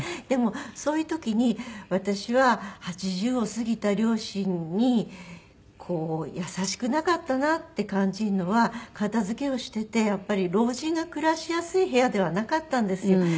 でもそういう時に私は８０を過ぎた両親にこう優しくなかったなって感じるのは片付けをしててやっぱり老人が暮らしやすい部屋ではなかったんですよ。